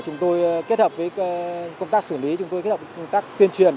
chúng tôi kết hợp với công tác xử lý chúng tôi kết hợp công tác tuyên truyền